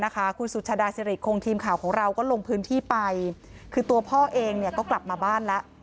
คุณสุชาดาสิริคงทีมข่าวของเราก็ลงพื้นที่ไปคือตัวพ่อเองก็กลับมาบ้านแล้ว